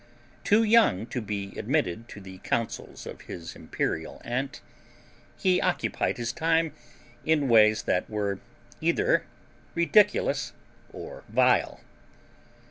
Too young to be admitted to the councils of his imperial aunt, he occupied his time in ways that were either ridiculous or vile.